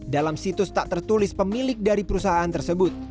dalam situs tak tertulis pemilik dari perusahaan tersebut